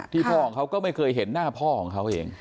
พ่อของเขาก็ไม่เคยเห็นหน้าพ่อของเขาเอง